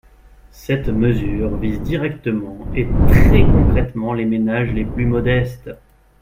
Cette mesure vise directement et très concrètement les ménages les plus modestes.